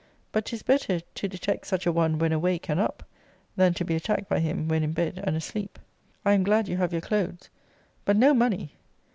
But 'tis better to detect such a one when awake and up, than to be attacked by him when in bed and asleep. I am glad you have your clothes. But no money!